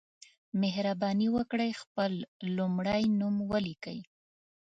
مهرباني وکړئ خپل لمړی نوم ولیکئ